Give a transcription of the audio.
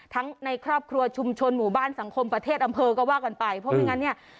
ในครอบครัวชุมชนหมู่บ้านสังคมประเทศอำเภอก็ว่ากันไปเพราะไม่งั้นเนี่ย